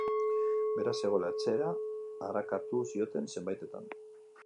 Bera ez zegoela etxea arakatu zioten zenbaitetan.